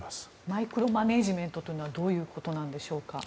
マイクロマネージメントとは、どういうことでしょうか。